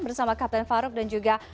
bersama kapten farouk dan juga